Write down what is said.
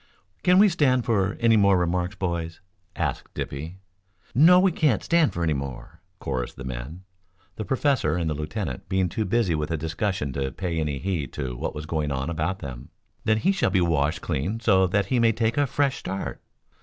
"Can we stand for any more remarks, boys?" asked Dippy. "No, we can't stand for any more," chorused the men, the professor and the lieutenant being too busy with a discussion to pay any heed to what was going on about them. "Then he shall be washed clean so that he may take a fresh start?"